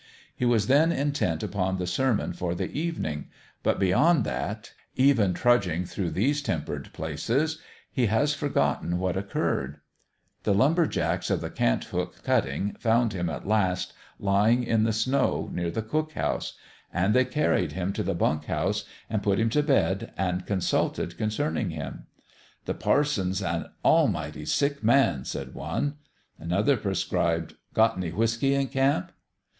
He was then intent upon the sermon for the evening ; but beyond that even trudging through these tempered places he has forgotten what occurred. The lumber jacks of the Cant hook cutting found him at last, lying in the snow near the cook house ; and they carried him to the bunk house, and put him to bed, and consulted concerning him. 220 ON THE GRADE " The parson's an almighty sick man," said one. Another prescribed :" Got any whiskey in camp